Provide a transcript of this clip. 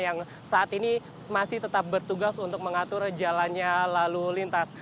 yang saat ini masih tetap bertugas untuk mengatur jalannya lalu lintas